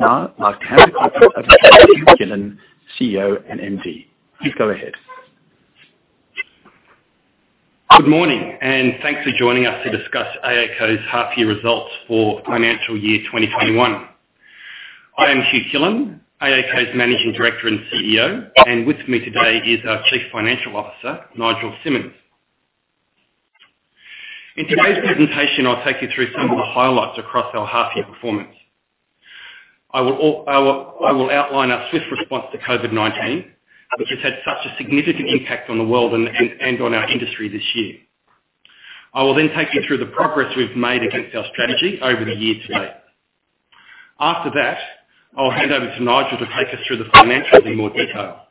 Now Hugh Killen, CEO and MD. Please go ahead. Good morning, and thanks for joining us to discuss AACo's half-year results for financial year 2021. I am Hugh Killen, AACo's Managing Director and CEO, and with me today is our Chief Financial Officer, Nigel Simmonds. In today's presentation, I'll take you through some of the highlights across our half-year performance. I will outline our swift response to COVID-19, which has had such a significant impact on the world and on our industry this year. I will then take you through the progress we've made against our strategy over the year to date. After that, I'll hand over to Nigel to take us through the financials in more detail,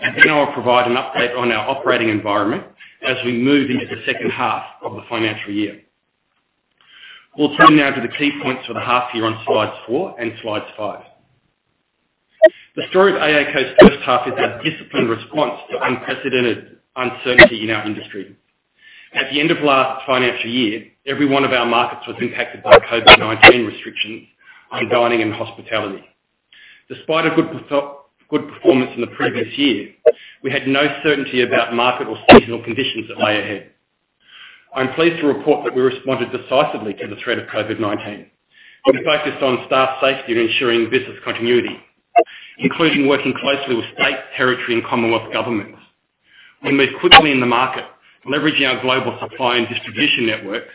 and then I'll provide an update on our operating environment as we move into the second half of the financial year. We'll turn now to the key points for the half-year on slides four and slides five. The story of AACo's first half is a disciplined response to unprecedented uncertainty in our industry. At the end of last financial year, every one of our markets was impacted by COVID-19 restrictions on dining and hospitality. Despite a good performance in the previous year, we had no certainty about market or seasonal conditions that lay ahead. I'm pleased to report that we responded decisively to the threat of COVID-19 and focused on staff safety and ensuring business continuity, including working closely with state, territory, and Commonwealth governments. We moved quickly in the market, leveraging our global supply and distribution networks,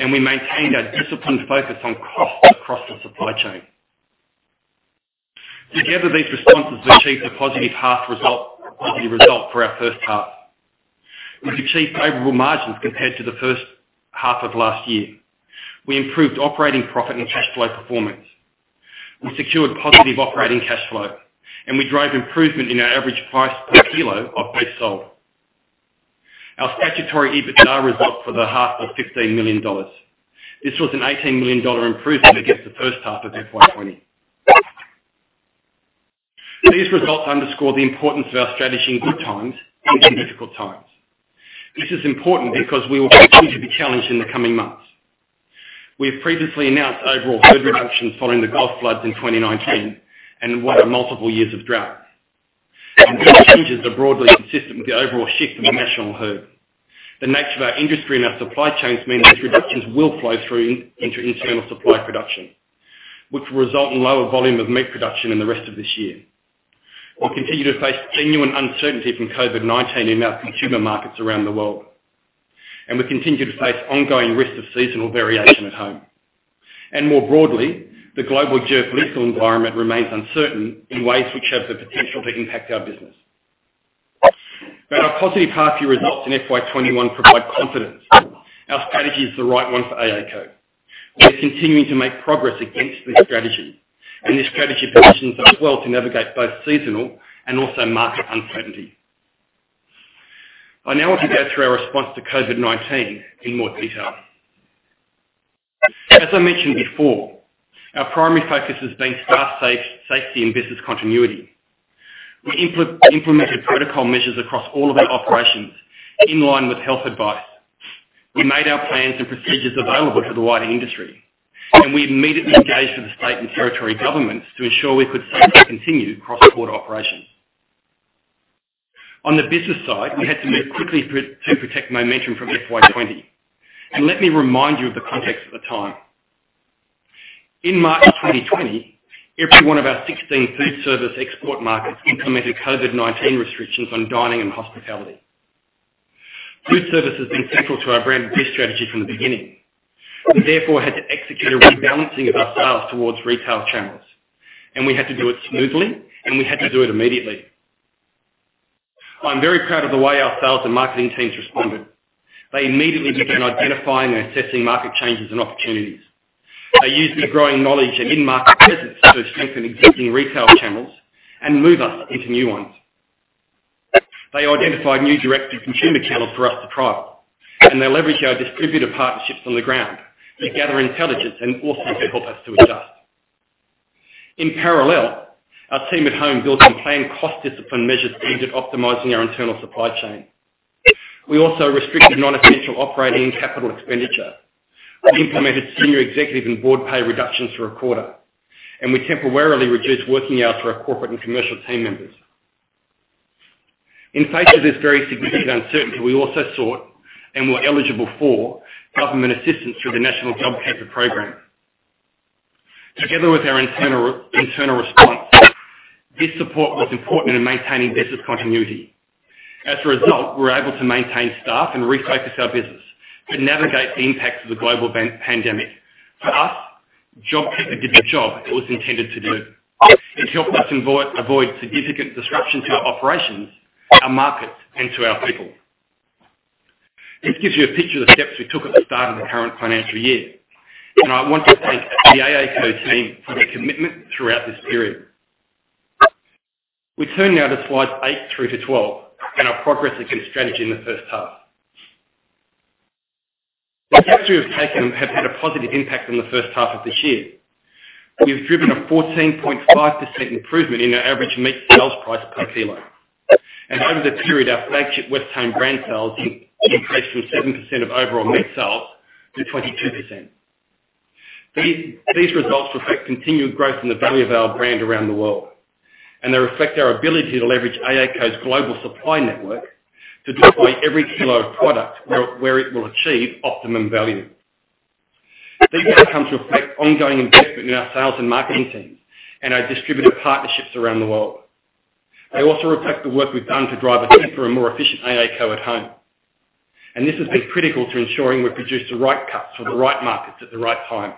and we maintained a disciplined focus on cost across the supply chain. Together, these responses achieved a positive half result, a positive result for our first half. We've achieved favorable margins compared to the first half of last year. We improved operating profit and cash flow performance. We secured positive operating cash flow, and we drove improvement in our average price per kilo of beef sold. Our statutory EBITDA result for the half was 15 million dollars. This was an 18 million dollar improvement against the first half of FY20. These results underscore the importance of our strategy in good times and in difficult times. This is important because we will continue to be challenged in the coming months. We have previously announced overall herd reductions following the Gulf floods in 2019 and what are multiple years of drought. Those changes are broadly consistent with the overall shift in the national herd. The nature of our industry and our supply chains mean these reductions will flow through into internal supply production, which will result in lower volume of meat production in the rest of this year. We'll continue to face genuine uncertainty from COVID-19 in our consumer markets around the world, and we continue to face ongoing risks of seasonal variation at home. More broadly, the global geopolitical environment remains uncertain in ways which have the potential to impact our business. Our positive half-year results in FY21 provide confidence our strategy is the right one for AACo. We are continuing to make progress against this strategy. This strategy positions us well to navigate both seasonal and also market uncertainty. I now want to go through our response to COVID-19 in more detail. As I mentioned before, our primary focus has been staff safety and business continuity. We implemented protocol measures across all of our operations in line with health advice. We made our plans and procedures available to the wider industry, and we immediately engaged with the state and territory governments to ensure we could safely continue cross-border operations. On the business side, we had to move quickly to protect momentum from FY20. Let me remind you of the context at the time. In March 2020, every one of our 16 food service export markets implemented COVID-19 restrictions on dining and hospitality. Food service has been central to our Branded Beef strategy from the beginning. We therefore had to execute a rebalancing of our sales towards retail channels, and we had to do it smoothly, and we had to do it immediately. I'm very proud of the way our sales and marketing teams responded. They immediately began identifying and assessing market changes and opportunities. They used their growing knowledge and in-market presence to strengthen existing retail channels and move us into new ones. They identified new direct-to-consumer channels for us to trial, and they leveraged our distributor partnerships on the ground to gather intelligence and also to help us to adjust. In parallel, our team at home built and planned cost discipline measures aimed at optimizing our internal supply chain. We also restricted non-essential operating capital expenditure. We implemented senior executive and board pay reductions for a quarter, and we temporarily reduced working hours for our corporate and commercial team members. In the face of this very significant uncertainty, we also sought and were eligible for government assistance through the National JobKeeper program. Together with our internal response, this support was important in maintaining business continuity. As a result, we were able to maintain staff and refocus our business to navigate the impacts of the global pandemic. For us, JobKeeper did the job it was intended to do. It helped us avoid significant disruption to our operations, our markets, and to our people. This gives you a picture of the steps we took at the start of the current financial year, and I want to thank the AACo team for their commitment throughout this period. We turn now to slides 8 through to 12 and our progress against strategy in the first half. The steps we have taken have had a positive impact on the first half of this year. We have driven a 14.5% improvement in our average meat sales price per kilo. Over the period, our flagship Westholme brand sales increased from 7% of overall meat sales to 22%. These results reflect continued growth in the value of our brand around the world. They reflect our ability to leverage AACo's global supply network to deploy every kilo of product where it will achieve optimum value. These outcomes reflect ongoing investment in our sales and marketing teams and our distributor partnerships around the world. They also reflect the work we've done to drive a simpler and more efficient AACo at home. This has been critical to ensuring we produce the right cuts for the right markets at the right time.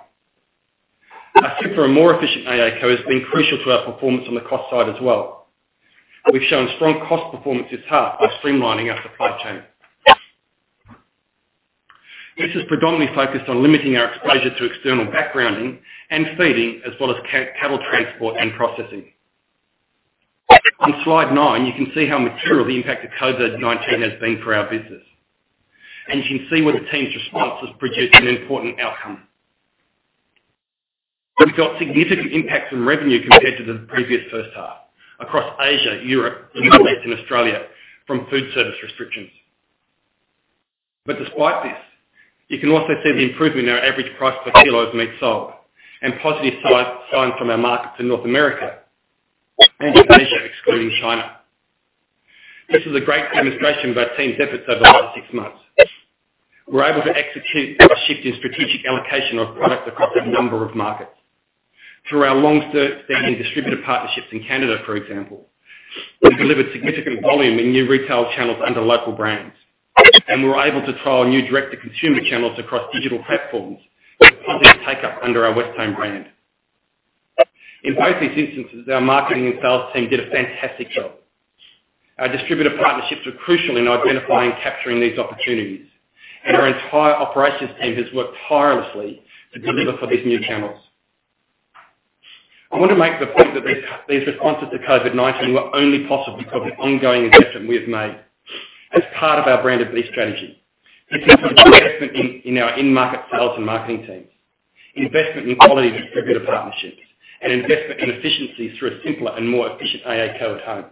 A simpler and more efficient AACo has been crucial to our performance on the cost side as well. We've shown strong cost performance this half by streamlining our supply chain. This is predominantly focused on limiting our exposure to external backgrounding and feeding, as well as cattle transport and processing. On slide nine, you can see how material the impact of COVID-19 has been for our business, and you can see where the team's response has produced an important outcome. We've got significant impacts on revenue compared to the previous first half across Asia, Europe, the Middle East, and Australia from food service restrictions. Despite this, you can also see the improvement in our average price per kilo of meat sold and positive signs from our markets in North America and Asia, excluding China. This is a great demonstration of our team's efforts over the last six months. We're able to execute a shift in strategic allocation of product across a number of markets. Through our longstanding distributor partnerships in Canada, for example, we've delivered significant volume in new retail channels under local brands, and we're able to trial new direct-to-consumer channels across digital platforms with positive take-up under our Westholme brand. In both these instances, our marketing and sales team did a fantastic job. Our distributor partnerships were crucial in identifying and capturing these opportunities, and our entire operations team has worked tirelessly to deliver for these new channels. I want to make the point that these responses to COVID-19 were only possible because of ongoing investment we have made as part of our Branded Beef strategy. This is investment in our in-market sales and marketing teams, investment in quality distributor partnerships, and investment in efficiencies through a simpler and more efficient AACo at home.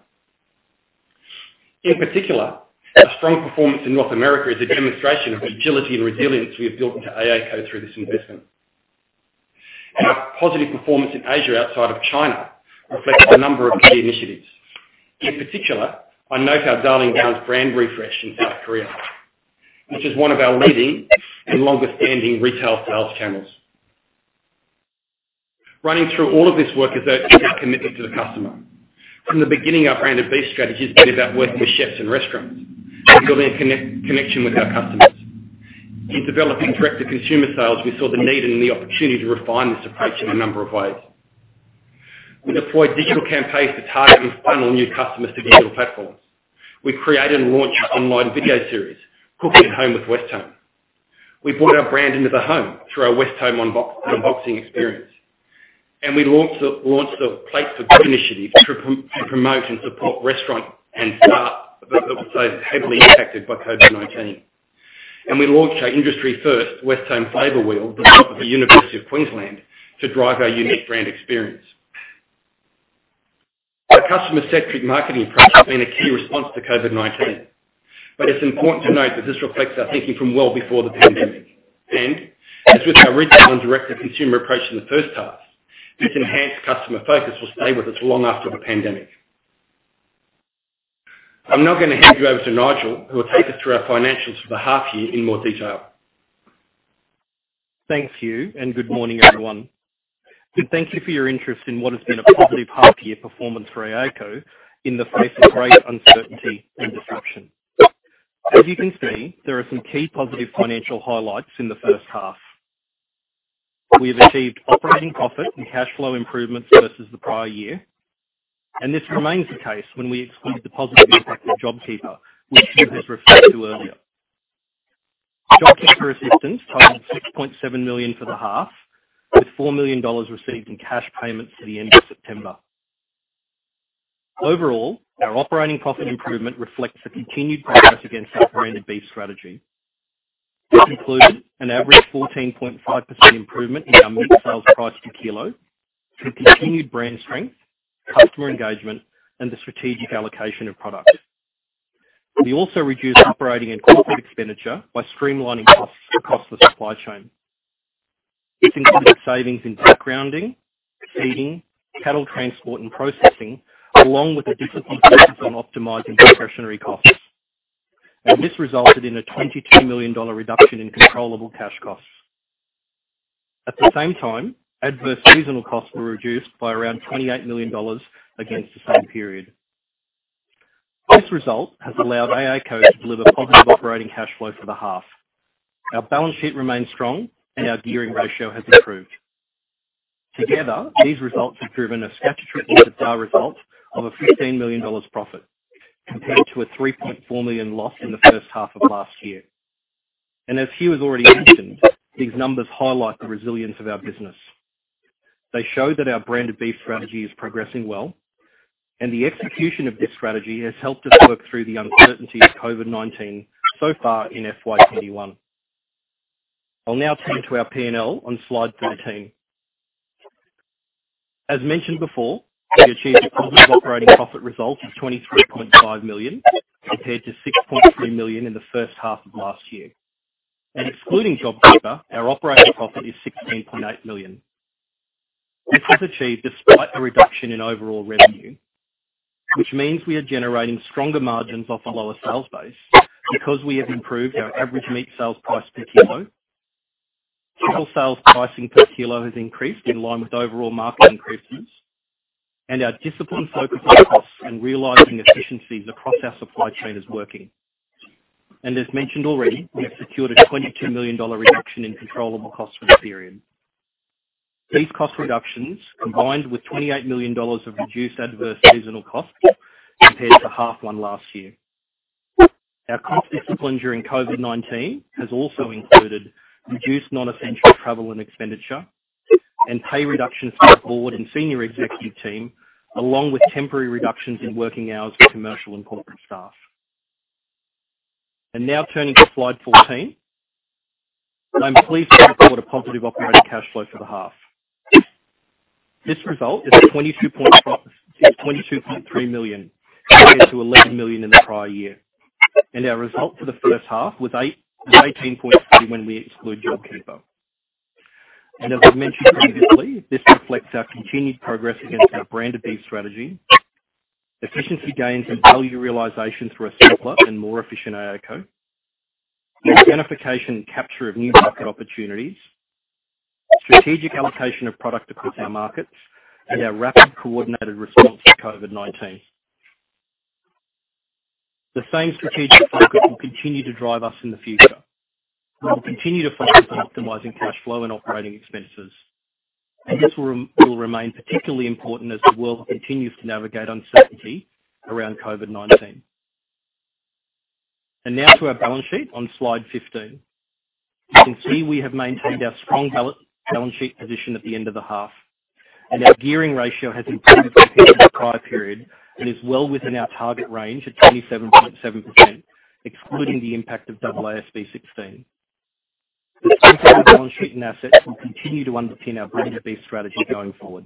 In particular, our strong performance in North America is a demonstration of agility and resilience we have built into AACo through this investment. Our positive performance in Asia outside of China reflects a number of key initiatives. In particular, I note our Darling Downs brand refresh in South Korea, which is one of our leading and longest-standing retail sales channels. Running through all of this work is our commitment to the customer. From the beginning, our Branded Beef strategy has been about working with chefs and restaurants and building a connection with our customers. In developing direct-to-consumer sales, we saw the need and the opportunity to refine this approach in a number of ways. We deployed digital campaigns to target and funnel new customers to digital platforms. We created and launched an online video series, Cooking at Home with Westholme. We brought our brand into the home through our Westholme unboxing experience. We launched the Plates for Good initiative to promote and support restaurants and staff that were so heavily impacted by COVID-19. We launched our industry-first Westholme Flavour Wheel, developed with the University of Queensland, to drive our unique brand experience. Our customer-centric marketing approach has been a key response to COVID-19, but it's important to note that this reflects our thinking from well before the pandemic. As with our retail and direct-to-consumer approach in the first half, this enhanced customer focus will stay with us long after the pandemic. I'm now going to hand you over to Nigel, who will take us through our financials for the half year in more detail. Thanks, Hugh, and good morning, everyone. Thank you for your interest in what has been a positive half year performance for AACo in the face of great uncertainty and disruption. As you can see, there are some key positive financial highlights in the first half. We have achieved operating profit and cash flow improvements versus the prior year, and this remains the case when we exclude the positive impact of JobKeeper, which Hugh has referred to earlier. JobKeeper assistance totaled AUD 6.7 million for the half, with AUD 4 million received in cash payments for the end of September. Overall, our operating profit improvement reflects the continued progress against our Branded Beef strategy. This includes an average 14.5% improvement in our meat sales price per kilo through continued brand strength, customer engagement, and the strategic allocation of product. We also reduced operating and corporate expenditure by streamlining costs across the supply chain. This included savings in backgrounding, feeding, cattle transport, and processing, along with a disciplined focus on optimizing discretionary costs. This resulted in a 22 million dollar reduction in controllable cash costs. At the same time, adverse seasonal costs were reduced by around 28 million dollars against the same period. This result has allowed AACo to deliver positive operating cash flow for the half. Our balance sheet remains strong, and our gearing ratio has improved. Together, these results have driven a statutory EBITDA result of a 15 million dollars profit compared to a 3.4 million loss in the first half of last year. As Hugh has already mentioned, these numbers highlight the resilience of our business. They show that our Branded Beef strategy is progressing well, and the execution of this strategy has helped us work through the uncertainty of COVID-19 so far in FY 2021. I'll now turn to our P&L on slide 13. As mentioned before, we achieved a positive operating profit result of AUD 23.5 million, compared to AUD 6.3 million in the first half of last year. Excluding JobKeeper, our operating profit is AUD 16.8 million. This was achieved despite a reduction in overall revenue, which means we are generating stronger margins off a lower sales base because we have improved our average meat sales price per kilo. Total sales pricing per kilo has increased in line with overall market increases, and our disciplined focus on costs and realizing efficiencies across our supply chain is working. As mentioned already, we have secured an 22 million dollar reduction in controllable costs for this period. These cost reductions, combined with 28 million dollars of reduced adverse seasonal costs compared to half one last year. Our cost discipline during COVID-19 has also included reduced non-essential travel and expenditure, and pay reductions for our board and senior executive team, along with temporary reductions in working hours for commercial and corporate staff. Now turning to slide 14. I'm pleased to report a positive operating cash flow for the half. This result is 22.3 million compared to 11 million in the prior year, and our result for the first half was 18.3 when we exclude JobKeeper. As we've mentioned previously, this reflects our continued progress against our Branded Beef strategy, efficiency gains and value realization through a simpler and more efficient AACo, the identification and capture of new market opportunities, strategic allocation of product across our markets, and our rapid coordinated response to COVID-19. The same strategic focus will continue to drive us in the future. We will continue to focus on optimizing cash flow and operating expenses. This will remain particularly important as the world continues to navigate uncertainty around COVID-19. Now to our balance sheet on slide 15. You can see we have maintained our strong balance sheet position at the end of the half. Our gearing ratio has improved compared to the prior period and is well within our target range at 27.7%, excluding the impact of AASB 16. The strength of our balance sheet and assets will continue to underpin our Branded Beef strategy going forward.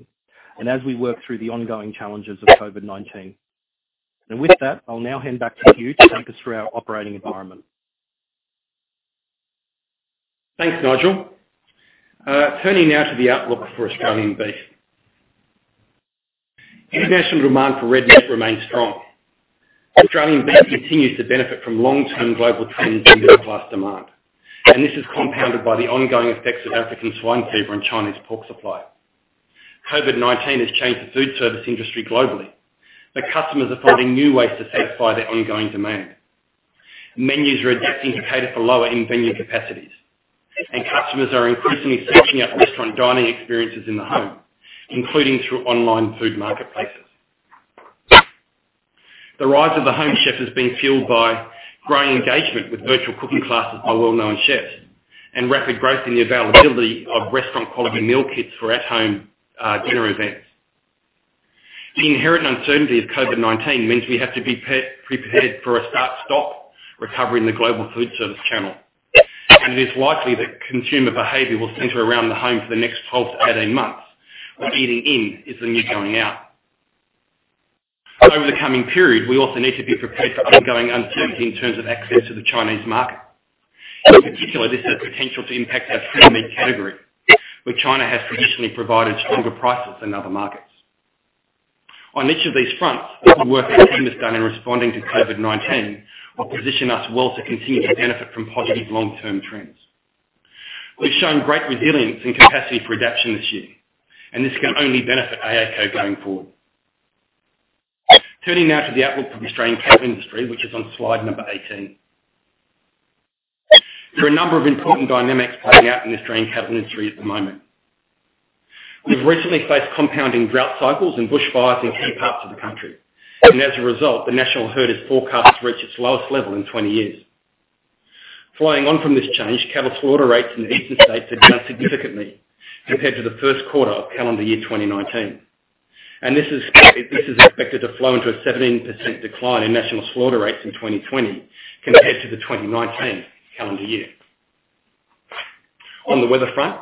As we work through the ongoing challenges of COVID-19. With that, I'll now hand back to Hugh to take us through our operating environment. Thanks, Nigel. Turning now to the outlook for Australian beef. International demand for red meat remains strong. Australian beef continues to benefit from long-term global trends in middle-class demand. This is compounded by the ongoing effects of African swine fever on Chinese pork supply. COVID-19 has changed the food service industry globally, but customers are finding new ways to satisfy their ongoing demand. Menus are adapting to cater for lower in-venue capacities. Customers are increasingly searching out restaurant dining experiences in the home, including through online food marketplaces. The rise of the home chef is being fueled by growing engagement with virtual cooking classes by well-known chefs and rapid growth in the availability of restaurant-quality meal kits for at-home dinner events. The inherent uncertainty of COVID-19 means we have to be prepared for a start-stop recovery in the global food service channel, and it is likely that consumer behavior will center around the home for the next 12-18 months, where eating in is the new going out. Over the coming period, we also need to be prepared for ongoing uncertainty in terms of access to the Chinese market. In particular, this has potential to impact our premium meat category, where China has traditionally provided stronger prices than other markets. On each of these fronts, the work the team has done in responding to COVID-19 will position us well to continue to benefit from positive long-term trends. We've shown great resilience and capacity for adaption this year, and this can only benefit AACo going forward. Turning now to the outlook for the Australian cattle industry, which is on slide number 18. There are a number of important dynamics playing out in the Australian cattle industry at the moment. We've recently faced compounding drought cycles and bushfires in key parts of the country, and as a result, the national herd is forecast to reach its lowest level in 20 years. Flowing on from this change, cattle slaughter rates in the eastern states have down significantly compared to the first quarter of calendar year 2019. This is expected to flow into a 17% decline in national slaughter rates in 2020 compared to the 2019 calendar year. On the weather front,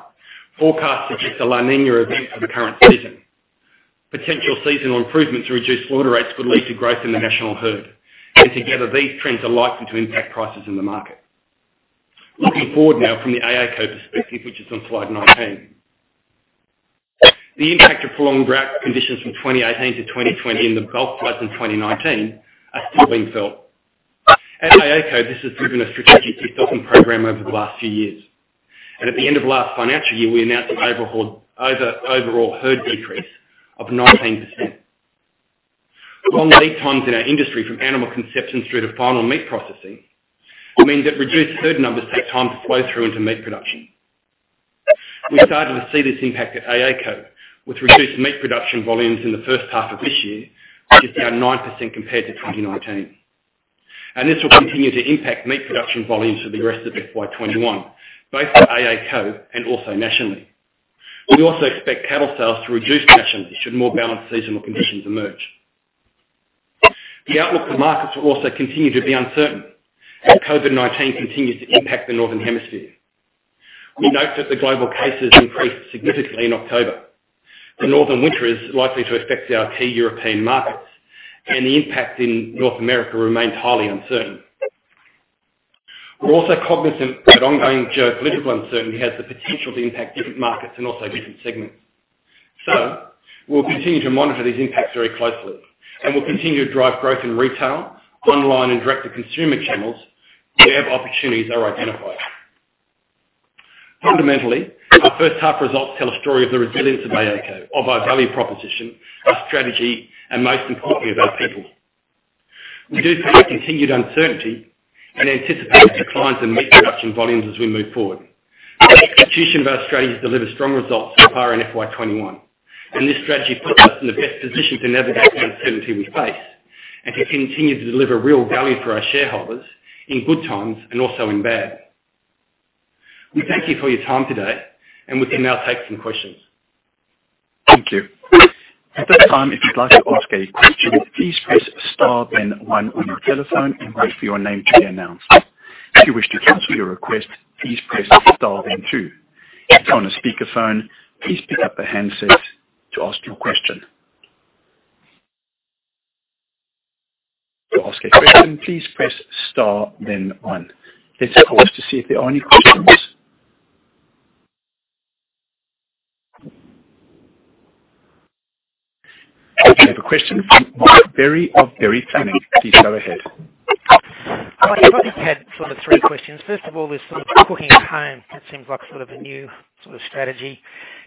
forecasts suggest a La Niña event for the current season. Potential seasonal improvements to reduced slaughter rates could lead to growth in the national herd, and together, these trends are likely to impact prices in the market. Looking forward now from the AACo perspective, which is on slide 19. The impact of prolonged drought conditions from 2018 to 2020 and the bushfires in 2019 are still being felt. At AACo, this has driven a strategic de-stocking program over the last few years, and at the end of last financial year, we announced an overall herd decrease of 19%. Long lead times in our industry from animal conception through to final meat processing means that reduced herd numbers take time to flow through into meat production. We're starting to see this impact at AACo, with reduced meat production volumes in the first half of this year, just down 9% compared to 2019. This will continue to impact meat production volumes for the rest of FY 2021, both for AACo and also nationally. We also expect cattle sales to reduce nationally should more balanced seasonal conditions emerge. The outlook for markets will also continue to be uncertain as COVID-19 continues to impact the Northern Hemisphere. We note that the global cases increased significantly in October. The northern winter is likely to affect our key European markets, and the impact in North America remains highly uncertain. We're also cognizant that ongoing geopolitical uncertainty has the potential to impact different markets and also different segments. We'll continue to monitor these impacts very closely, and we'll continue to drive growth in retail, online, and direct-to-consumer channels where opportunities are identified. Fundamentally, our first half results tell a story of the resilience of AACo, of our value proposition, our strategy, and most importantly, of our people. We do face continued uncertainty and anticipate declines in meat production volumes as we move forward. The execution of our strategy has delivered strong results so far in FY21, and this strategy puts us in the best position to navigate the uncertainty we face and to continue to deliver real value for our shareholders in good times and also in bad. We thank you for your time today. We can now take some questions. Thank you. We have a question from Mark Pirie of Berry Finance. Please go ahead. Mark, I probably had sort of three questions. First of all, this Cooking at Home, that seems like sort of a new strategy.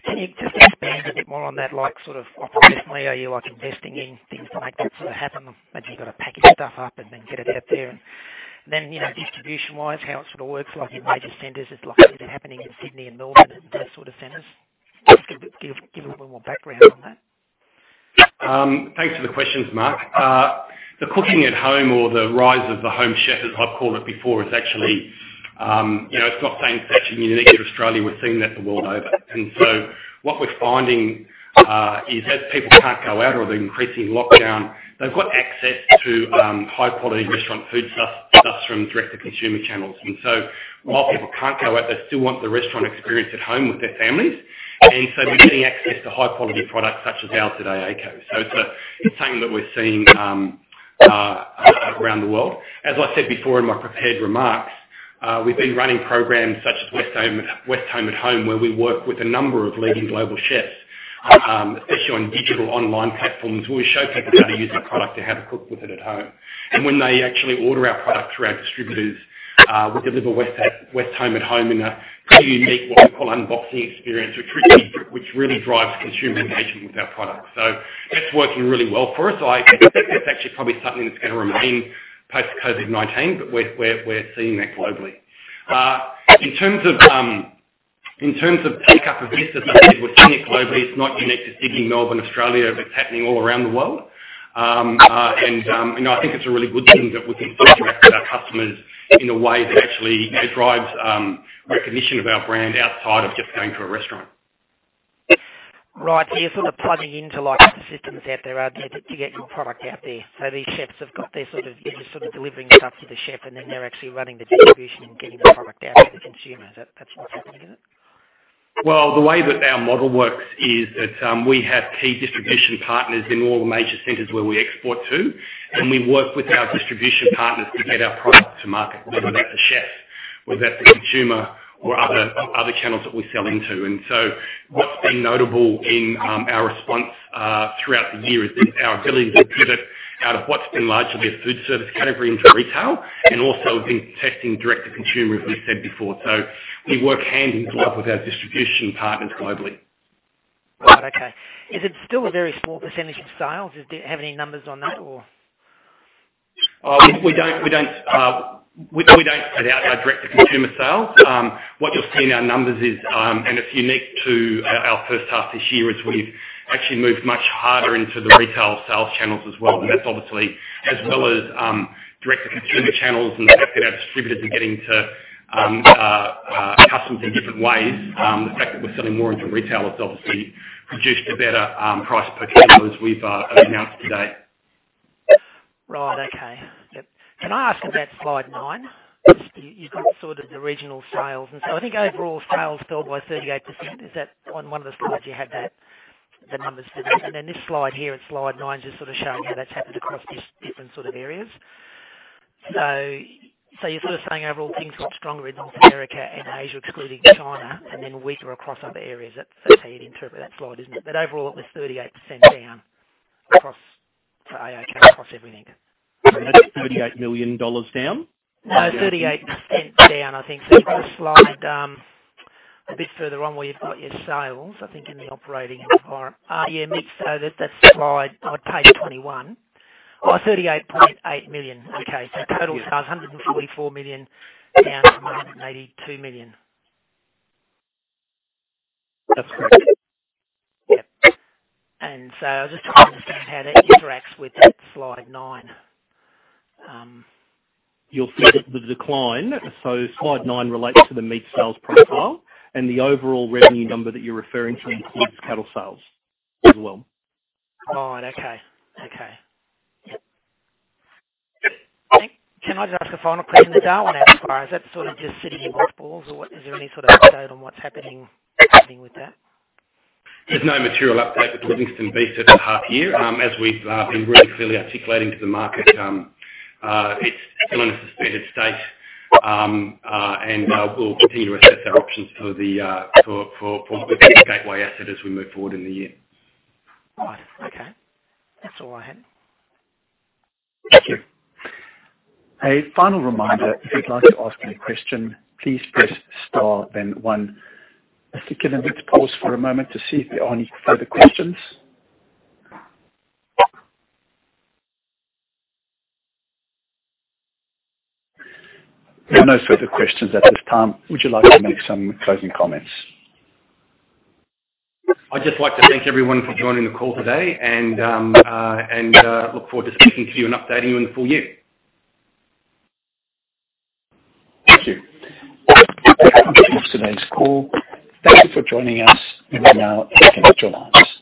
Can you just expand a bit more on that, like sort of offensively, are you investing in things to make that happen? Imagine you've got to pack your stuff up and then get it out there and then, distribution-wise, how it sort of works, like in major centers, is like is it happening in Sydney and Melbourne and those sort of centers? Just give a little more background on that. Thanks for the questions, Mark. The cooking at home or the rise of the home chef, as I've called it before, it's not saying it's actually unique to Australia. We're seeing that the world over. What we're finding, is as people can't go out or they're increasing lockdown, they've got access to high-quality restaurant food stuff from direct-to-consumer channels. While people can't go out, they still want the restaurant experience at home with their families. We're seeing access to high-quality products such as ours at AACo. It's something that we're seeing around the world. As I said before in my prepared remarks, we've been running programs such as Westholme at Home, where we work with a number of leading global chefs, especially on digital online platforms, where we show people how to use the product and how to cook with it at home. When they actually order our product through our distributors, we deliver Westholme at Home in a pretty unique, what we call unboxing experience or treat, which really drives consumer engagement with our product. That's working really well for us. I think that's actually probably something that's going to remain post-COVID-19, but we're seeing that globally. In terms of pickup of this, as I said, we're seeing it globally. It's not unique to Sydney, Melbourne, Australia. It's happening all around the world. I think it's a really good thing that we can connect with our customers in a way that actually drives recognition of our brand outside of just going to a restaurant. Right. You're sort of plugging into systems out there to get your product out there. You're just sort of delivering it up to the chef, and then they're actually running the distribution and getting the product out to the consumer. That's what's happening, is it? Well, the way that our model works is that we have key distribution partners in all the major centers where we export to, and we work with our distribution partners to get our product to market, whether that's a chef or that's a consumer or other channels that we sell into. What's been notable in our response throughout the year is our ability to pivot out of what's been largely a food service category into retail, and also we've been testing direct to consumer, as we said before. We work hand in glove with our distribution partners globally. Right. Okay. Is it still a very small % of sales? Do you have any numbers on that or? We don't put out our direct-to-consumer sales. What you'll see in our numbers is, and it's unique to our first half this year, is we've actually moved much harder into the retail sales channels as well, and that's obviously as well as direct-to-consumer channels and the fact that our distributors are getting to customers in different ways. The fact that we're selling more into retail has obviously produced a better price per kilo, as we've announced today. Right. Okay. Yep. Can I ask about slide nine? You've got sort of the regional sales. I think overall sales fell by 38%. Is that on one of the slides, you have the numbers for that? This slide here, it's slide nine, just sort of showing how that's happened across different sort of areas. You're sort of saying overall things got stronger in North America and Asia, excluding China, and then weaker across other areas. That's how you'd interpret that slide, isn't it? Overall, it was 38% down for AACo across everything. That's 38 million dollars down? No, 38% down, I think. It's on the slide a bit further on where you've got your sales, I think in the operating environment. Yeah, Nigel, that's slide, page 21. 38.8 million. Okay. Total sales, 144 million, down from 182 million. That's correct. Yep. I was just trying to understand how that interacts with slide nine. You'll see that the decline, so slide nine relates to the meat sales profile and the overall revenue number that you're referring to includes cattle sales as well. All right. Okay. Yep. Hugh, can I just ask a final question? The Darwin abattoir, is that sort of just sitting in mothballs or is there any sort of update on what's happening with that? There's no material update with Livingstone Beef for the half year. As we've been really clearly articulating to the market, it's still in a suspended state, and we'll continue to assess our options for the gateway asset as we move forward in the year. Right. Okay. That's all I had. Thank you. A final reminder, if you'd like to ask any question, please press Star then One. Let's take a little bit to pause for a moment to see if there are any further questions. There are no further questions at this time. Would you like to make some closing comments? I'd just like to thank everyone for joining the call today and look forward to speaking to you and updating you in the full year. Thank you. That concludes today's call. Thank you for joining us. You may now disconnect your lines.